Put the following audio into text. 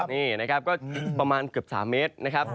นี่นะครับก็ประมาณเกือบ๓เมตรนะครับ